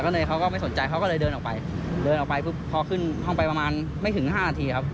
เนยเขาก็ไม่สนใจเขาก็เลยเดินออกไปพอขึ้นห้องไปประมาณไม่ถึง๕นาที